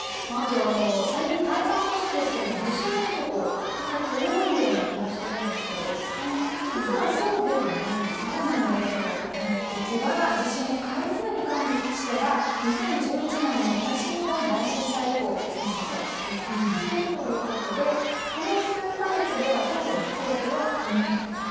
最近、体感としてですが地震がここ最近多いような気がしているんですけど実は、地震の回数に関しては２０１１年の東日本大震災以降実は減っているということでこの数か月では特に増えてはいないと。